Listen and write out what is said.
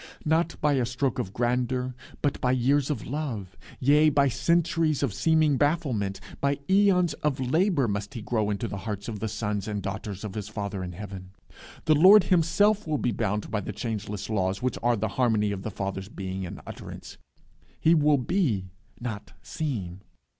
Not by a stroke of grandeur, but by years of love, yea, by centuries of seeming bafflement, by aeons of labour, must he grow into the hearts of the sons and daughters of his Father in heaven. The Lord himself will be bound by the changeless laws which are the harmony of the Fathers being and utterance. He will be, not seem.